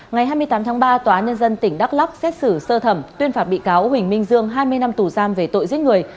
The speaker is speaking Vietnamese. ngày hai mươi tám tháng ba tòa án nhân dân tỉnh đắk lóc xét xử sơ thẩm tuyên phạt bị cáo huỳnh minh dương hai mươi năm tù giam về tội giết người